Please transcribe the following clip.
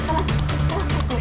kok bisa sichin begini